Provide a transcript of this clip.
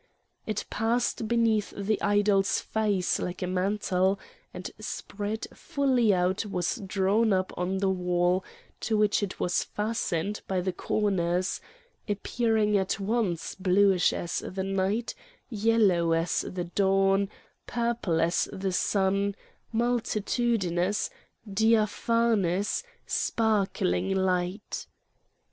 It passed beneath the idol's face like a mantle, and spread fully out was drawn up on the wall to which it was fastened by the corners, appearing at once bluish as the night, yellow as the dawn, purple as the sun, multitudinous, diaphanous, sparkling light.